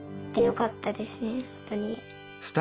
よかったですね。